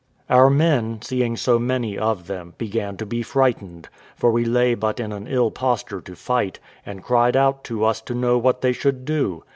Our men, seeing so many of them, began to be frightened, for we lay but in an ill posture to fight, and cried out to us to know what they should do.